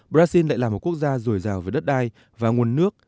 brazil lại là một quốc gia dồi dào về đất đai và nguồn nước